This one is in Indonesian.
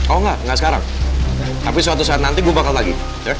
oh enggak enggak sekarang tapi suatu saat nanti gue bakal lagi